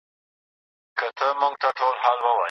قلمي خط د مشرانو د درناوي ښودلو وسیله ده.